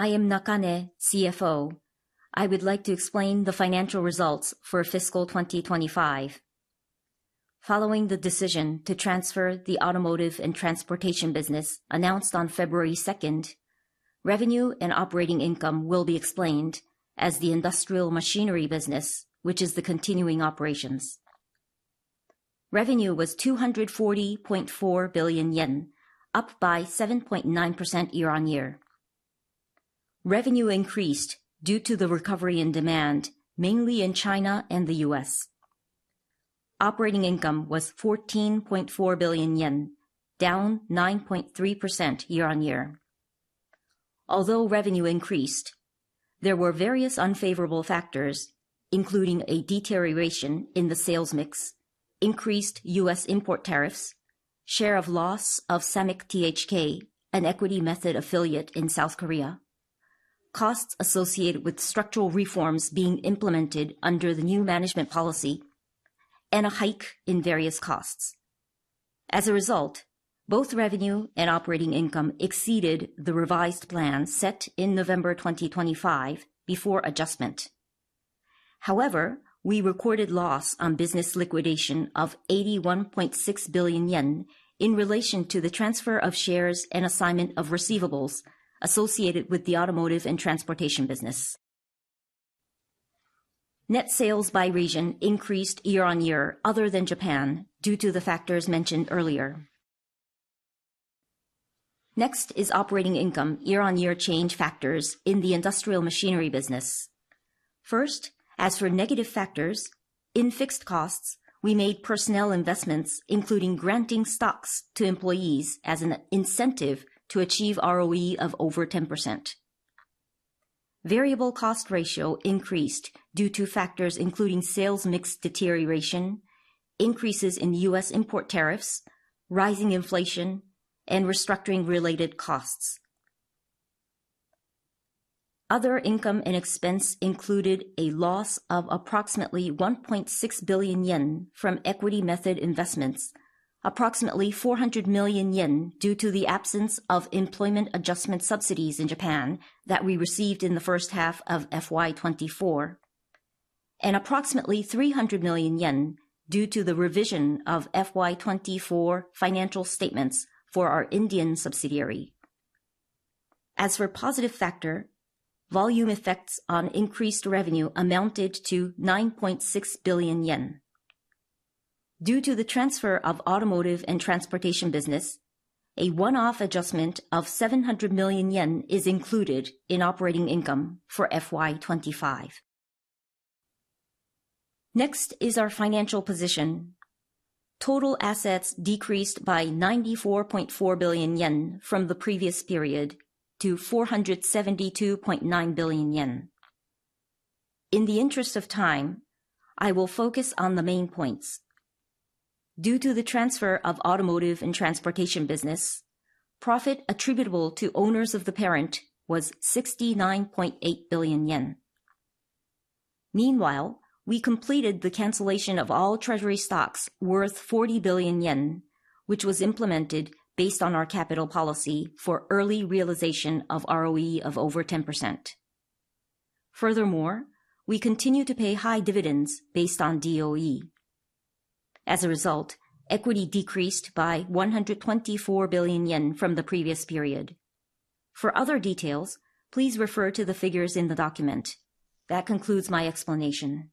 I am Nakane, CFO. I would like to explain the financial results for fiscal 2025. Following the decision to transfer the automotive and transportation business announced on February second, revenue and operating income will be explained as the industrial machinery business, which is the continuing operations. Revenue was 240.4 billion yen, up by 7.9% year-on-year. Revenue increased due to the recovery in demand, mainly in China and the U.S. Operating income was 14.4 billion yen, down 9.3% year-on-year. Although revenue increased, there were various unfavorable factors, including a deterioration in the sales mix, increased U.S. import tariffs, share of loss of SAMICK THK, an equity method affiliate in South Korea, costs associated with structural reforms being implemented under the new management policy, and a hike in various costs. As a result, both revenue and operating income exceeded the revised plan set in November 2025 before adjustment. However, we recorded loss on business liquidation of 81.6 billion yen in relation to the transfer of shares and assignment of receivables associated with the automotive and transportation business. Net sales by region increased year-on-year, other than Japan, due to the factors mentioned earlier. Next is operating income year-on-year change factors in the industrial machinery business. First, as for negative factors in fixed costs, we made personnel investments, including granting stocks to employees as an incentive to achieve ROE of over 10%. Variable cost ratio increased due to factors including sales mix deterioration, increases in U.S. import tariffs, rising inflation, and restructuring related costs. Other income and expense included a loss of approximately 1.6 billion yen from equity method investments, approximately 400 million yen due to the absence of employment adjustment subsidies in Japan that we received in the first half of FY 2024, and approximately 300 million yen due to the revision of FY 2024 financial statements for our Indian subsidiary. As for positive factor, volume effects on increased revenue amounted to 9.6 billion yen. Due to the transfer of automotive and transportation business, a one-off adjustment of 700 million yen is included in operating income for FY 2025. Next is our financial position. Total assets decreased by 94.4 billion yen from the previous period to 472.9 billion yen. In the interest of time, I will focus on the main points. Due to the transfer of automotive and transportation business, profit attributable to owners of the parent was 69.8 billion yen. Meanwhile, we completed the cancellation of all treasury stocks worth 40 billion yen, which was implemented based on our capital policy for early realization of ROE of over 10%. Furthermore, we continue to pay high dividends based on DOE. As a result, equity decreased by 124 billion yen from the previous period. For other details, please refer to the figures in the document. That concludes my explanation.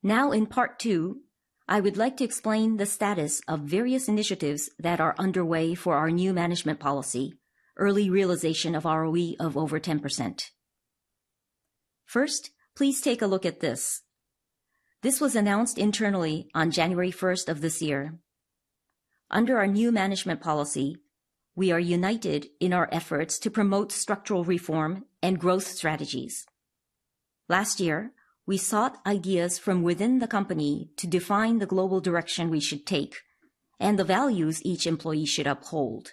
Now in part two, I would like to explain the status of various initiatives that are underway for our new management policy, early realization of ROE of over 10%. First, please take a look at this. This was announced internally on January 1st of this year. Under our new management policy, we are united in our efforts to promote structural reform and growth strategies. Last year, we sought ideas from within the company to define the global direction we should take and the values each employee should uphold.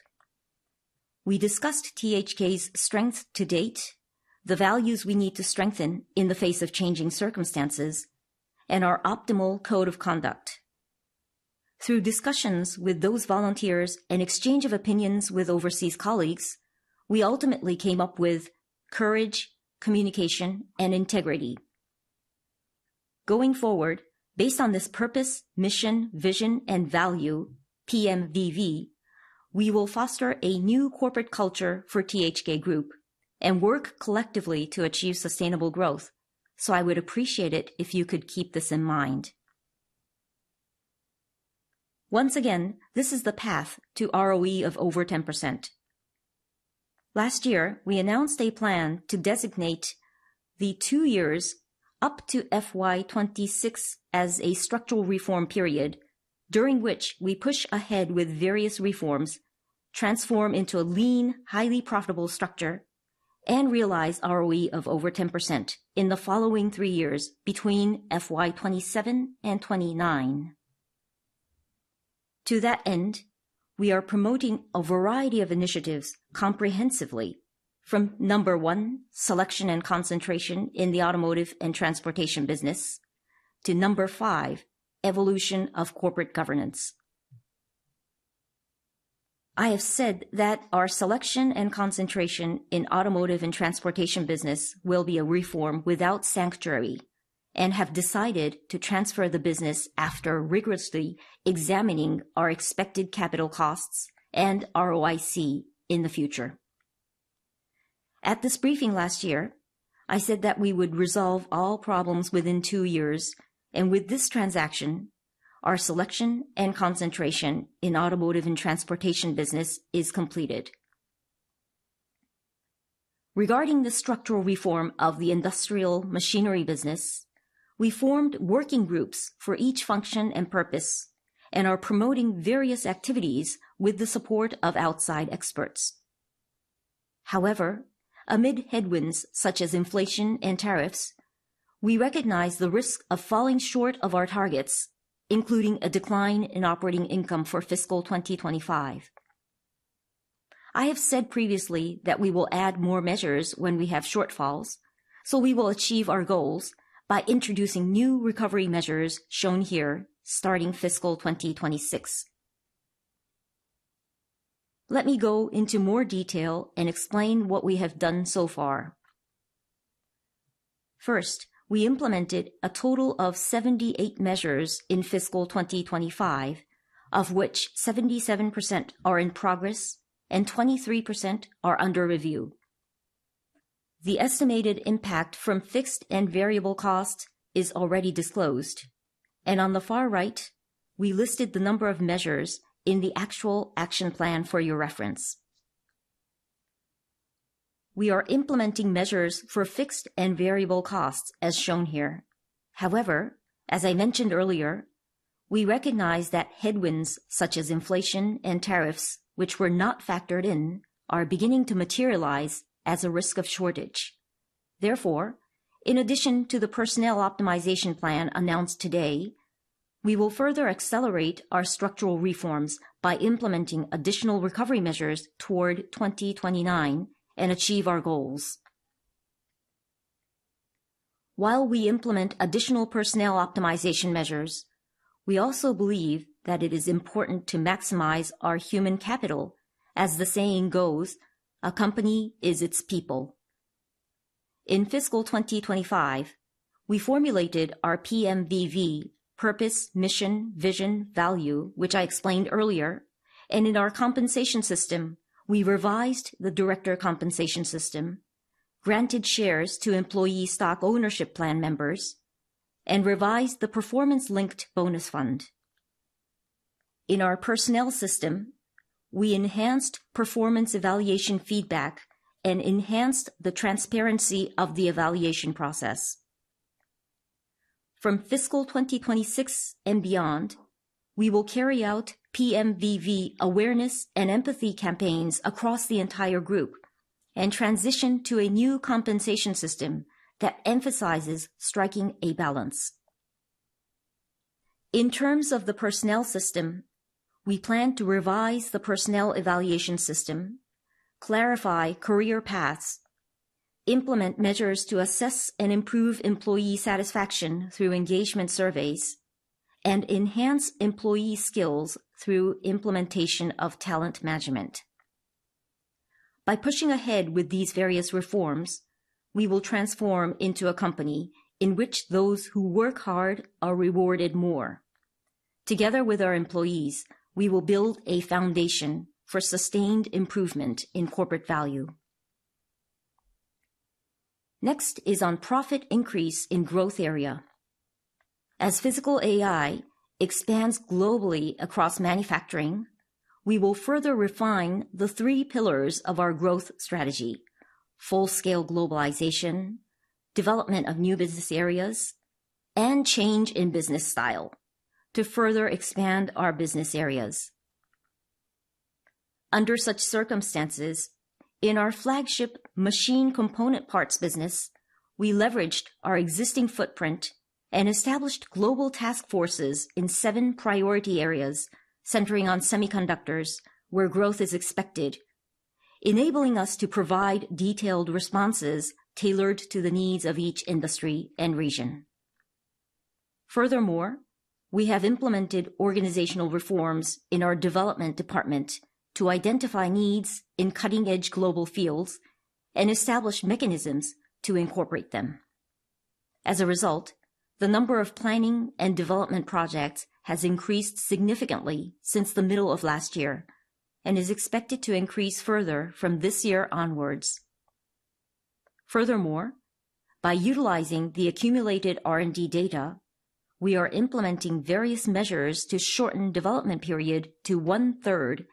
We discussed THK's strength to date, the values we need to strengthen in the face of changing circumstances, and our optimal code of conduct. Through discussions with those volunteers and exchange of opinions with overseas colleagues, we ultimately came up with courage, communication, and integrity. Going forward, based on this purpose, mission, vision, and value, PMVV, we will foster a new corporate culture for THK Group and work collectively to achieve sustainable growth. I would appreciate it if you could keep this in mind. Once again, this is the path to ROE of over 10%. Last year, we announced a plan to designate the two years up to FY 2026 as a structural reform period, during which we push ahead with various reforms, transform into a lean, highly profitable structure, and realize ROE of over 10% in the following three years between FY 2027 and FY 2029. To that end, we are promoting a variety of initiatives comprehensively from number one, selection and concentration in the automotive and transportation business. To number five, evolution of corporate governance. I have said that our selection and concentration in automotive and transportation business will be a reform without sanctuary and have decided to transfer the business after rigorously examining our expected capital costs and ROIC in the future. At this briefing last year, I said that we would resolve all problems within two years, and with this transaction, our selection and concentration in automotive and transportation business is completed. Regarding the structural reform of the industrial machinery business, we formed working groups for each function and purpose and are promoting various activities with the support of outside experts. However, amid headwinds such as inflation and tariffs, we recognize the risk of falling short of our targets, including a decline in operating income for fiscal 2025. I have said previously that we will add more measures when we have shortfalls, so we will achieve our goals by introducing new recovery measures shown here starting fiscal 2026. Let me go into more detail and explain what we have done so far. First, we implemented a total of 78 measures in fiscal 2025, of which 77% are in progress and 23% are under review. The estimated impact from fixed and variable costs is already disclosed, and on the far right, we listed the number of measures in the actual action plan for your reference. We are implementing measures for fixed and variable costs as shown here. However, as I mentioned earlier, we recognize that headwinds such as inflation and tariffs, which were not factored in, are beginning to materialize as a risk of shortage. Therefore, in addition to the personnel optimization plan announced today, we will further accelerate our structural reforms by implementing additional recovery measures toward 2029 and achieve our goals. While we implement additional personnel optimization measures, we also believe that it is important to maximize our human capital. As the saying goes, a company is its people. In fiscal 2025, we formulated our PMVV, purpose, mission, vision, value, which I explained earlier, and in our compensation system, we revised the director compensation system, granted shares to employee stock ownership plan members, and revised the performance-linked bonus fund. In our personnel system, we enhanced performance evaluation feedback and enhanced the transparency of the evaluation process. From fiscal 2026 and beyond, we will carry out PMVV awareness and empathy campaigns across the entire group and transition to a new compensation system that emphasizes striking a balance. In terms of the personnel system, we plan to revise the personnel evaluation system, clarify career paths, implement measures to assess and improve employee satisfaction through engagement surveys, and enhance employee skills through implementation of talent management. By pushing ahead with these various reforms, we will transform into a company in which those who work hard are rewarded more. Together with our employees, we will build a foundation for sustained improvement in corporate value. Next is on profit increase in growth area. As physical AI expands globally across manufacturing, we will further refine the three pillars of our growth strategy, full-scale globalization, development of new business areas, and change in business style to further expand our business areas. Under such circumstances, in our flagship machine component parts business, we leveraged our existing footprint and established global task forces in seven priority areas centering on semiconductors where growth is expected, enabling us to provide detailed responses tailored to the needs of each industry and region. Furthermore, we have implemented organizational reforms in our development department to identify needs in cutting-edge global fields and establish mechanisms to incorporate them. As a result, the number of planning and development projects has increased significantly since the middle of last year and is expected to increase further from this year onwards. Furthermore, by utilizing the accumulated R&D data, we are implementing various measures to shorten development period to 1/3,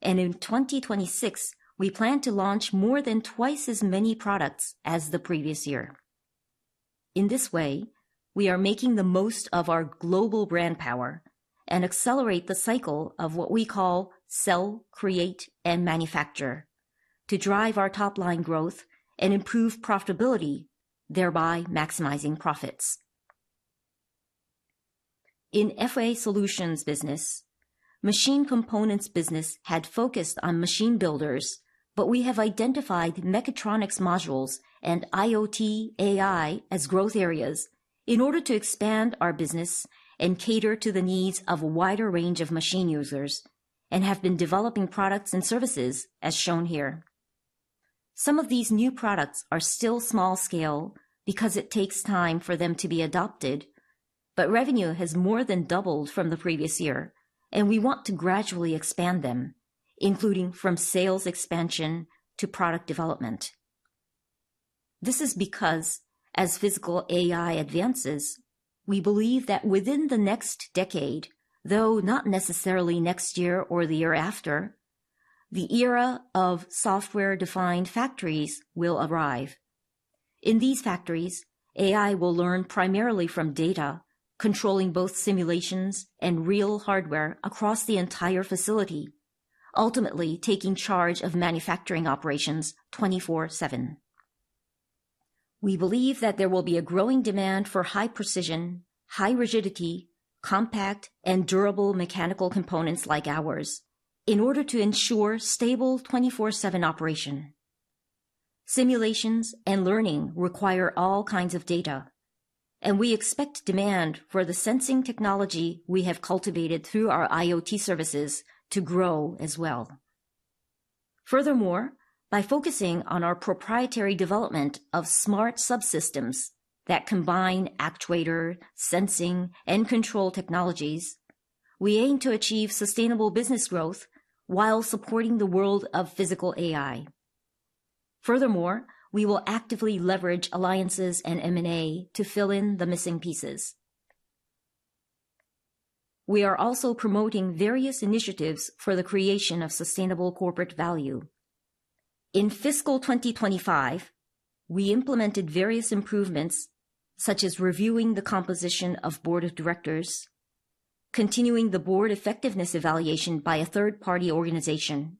and in 2026, we plan to launch more than twice as many products as the previous year. In this way, we are making the most of our global brand power and accelerate the cycle of what we call sell, create, and manufacture to drive our top-line growth and improve profitability, thereby maximizing profits. In FA solutions business, machine components business had focused on machine builders, but we have identified mechatronics modules and IoT AI as growth areas in order to expand our business and cater to the needs of a wider range of machine users and have been developing products and services as shown here. Some of these new products are still small scale because it takes time for them to be adopted, but revenue has more than doubled from the previous year, and we want to gradually expand them, including from sales expansion to product development. This is because as physical AI advances, we believe that within the next decade, though not necessarily next year or the year after, the era of software-defined factories will arrive. In these factories, AI will learn primarily from data, controlling both simulations and real hardware across the entire facility, ultimately taking charge of manufacturing operations 24/7. We believe that there will be a growing demand for high precision, high rigidity, compact and durable mechanical components like ours in order to ensure stable 24/7 operation. Simulations and learning require all kinds of data, and we expect demand for the sensing technology we have cultivated through our IoT services to grow as well. Furthermore, by focusing on our proprietary development of smart subsystems that combine actuator, sensing, and control technologies, we aim to achieve sustainable business growth while supporting the world of physical AI. Furthermore, we will actively leverage alliances and M&A to fill in the missing pieces. We are also promoting various initiatives for the creation of sustainable corporate value. In fiscal 2025, we implemented various improvements such as reviewing the composition of Board of Directors, continuing the board effectiveness evaluation by a third-party organization,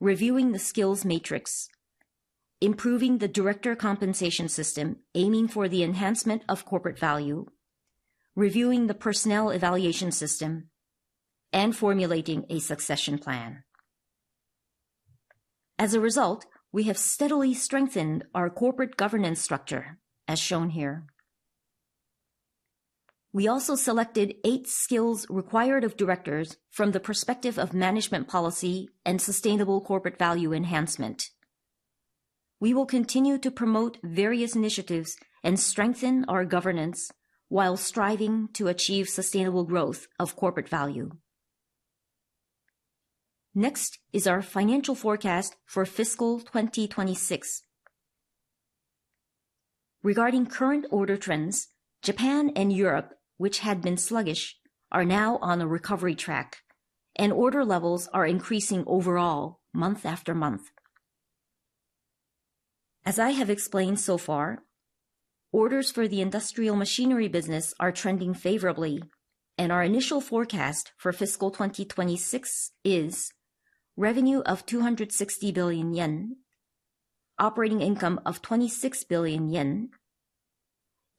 reviewing the skills matrix, improving the director compensation system, aiming for the enhancement of corporate value, reviewing the personnel evaluation system, and formulating a succession plan. As a result, we have steadily strengthened our corporate governance structure, as shown here. We also selected eight skills required of directors from the perspective of management policy and sustainable corporate value enhancement. We will continue to promote various initiatives and strengthen our governance while striving to achieve sustainable growth of corporate value. Next is our financial forecast for fiscal 2026. Regarding current order trends, Japan and Europe, which had been sluggish, are now on a recovery track, and order levels are increasing overall month after month. As I have explained so far, orders for the industrial machinery business are trending favorably, and our initial forecast for fiscal 2026 is revenue of 260 billion yen, operating income of 26 billion yen,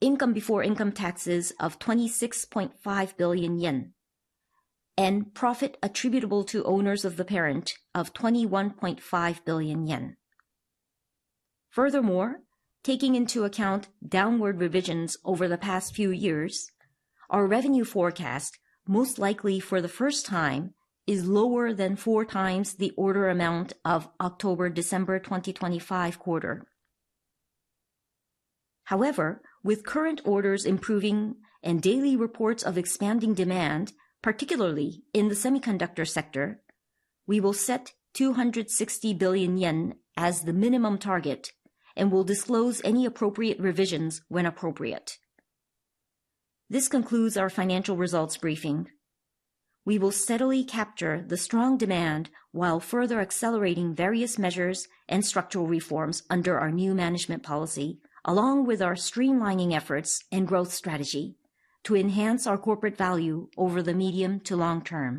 income before income taxes of 26.5 billion yen, and profit attributable to owners of the parent of 21.5 billion yen. Furthermore, taking into account downward revisions over the past few years, our revenue forecast, most likely for the first time, is lower than four times the order amount of October-December 2025 quarter. However, with current orders improving and daily reports of expanding demand, particularly in the semiconductor sector, we will set 260 billion yen as the minimum target and will disclose any appropriate revisions when appropriate. This concludes our financial results briefing. We will steadily capture the strong demand while further accelerating various measures and structural reforms under our new management policy, along with our streamlining efforts and growth strategy to enhance our corporate value over the medium to long term.